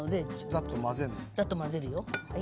ざっと混ぜるよ。